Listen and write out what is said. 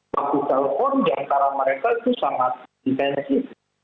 waktu telepon di antara mereka itu sangat intensif